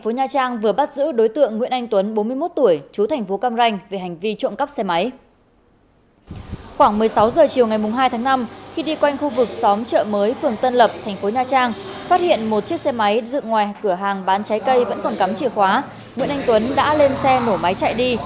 nguyễn anh tuấn đã lên xe nổ máy chạy đi